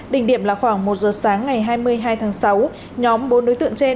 đỉnh điểm là khoảng một giờ sáng ngày hai mươi hai tháng sáu nhóm bốn đối tượng trên